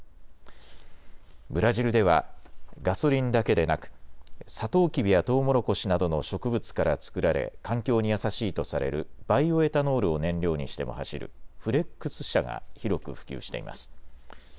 ブラジルではガソリンだけでなくサトウキビやトウモロコシなどの植物から作られ環境に優しいとされるバイオエタノールを燃料にしても走るフレックス車が広く普及しています。